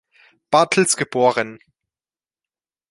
Bartels geboren.